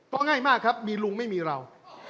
เพราะง่ายมากครับมีลุงไม่มีเรา